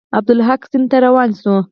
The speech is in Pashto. عبدالحق سند ته روان شو.